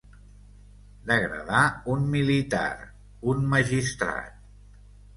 Degradar un militar, un magistrat.